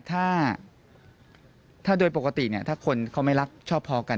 ถ้าโดยปกติถ้าคนเขาไม่รักชอบพอกัน